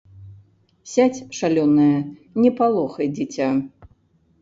Сядзь, шалёная, не палохай дзіця!